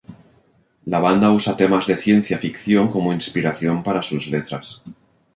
La banda usa temas de ciencia ficción como inspiración para sus letras.